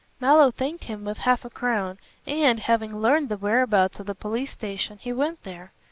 Mallow thanked him with half a crown and, having learned the whereabouts of the police station, he went there.